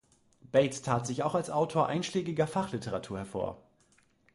Bates tat sich auch als Autor einschlägiger Fachliteratur hervor.